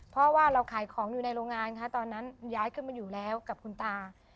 เพราะว่าเราขายของอยู่ในโรงงานค่ะตอนนั้นย้ายขึ้นมาอยู่แล้วกับคุณตา